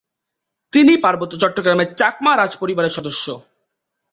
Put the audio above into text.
তিনি পার্বত্য চট্টগ্রামের চাকমা রাজপরিবারের সদস্য।